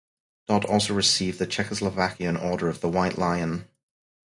Dodd also received the Czechoslovak Order of the White Lion.